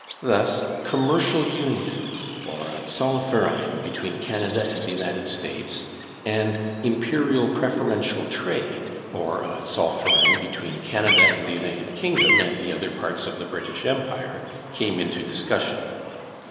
Thus Commercial Union, or a zollverein between Canada and the United States, and Imperial Preferential Trade, or a zollverein between Canada and the United Kingdom and the other parts of the British Empire, came into discussion.